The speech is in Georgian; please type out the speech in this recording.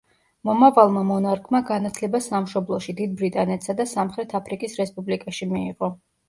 მომავალმა მონარქმა განათლება სამშობლოში, დიდ ბრიტანეთსა და სამხრეთ აფრიკის რესპუბლიკაში მიიღო.